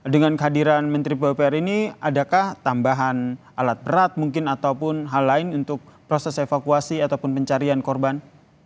dengan kehadiran menteri pupr ini adakah tambahan alat berat mungkin ataupun hal lain untuk proses evakuasi ataupun pencarian korban